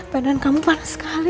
beneran kamu panas sekali